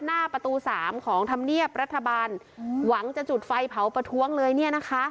หน้าประตูสามของธรรมเนียบรัฐบาลหวังจะจุดไฟเผาประท้วงเลยเนี่ยนะคะ